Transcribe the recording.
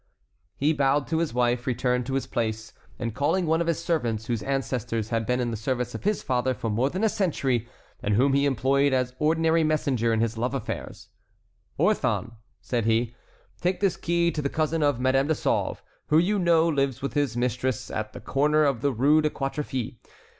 He bowed to his wife, returned to his place, and calling one of his servants whose ancestors had been in the service of his father for more than a century, and whom he employed as ordinary messenger in his love affairs: "Orthon," said he, "take this key to the cousin of Madame de Sauve, who you know lives with his mistress at the corner of the Rue des Quatre Fils.